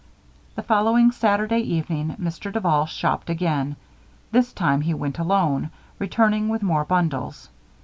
The following Saturday evening, Mr. Duval shopped again. This time, he went alone; returning with more bundles.